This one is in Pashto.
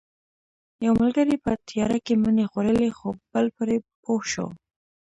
یو ملګری په تیاره کې مڼې خوړلې خو بل پرې پوه شو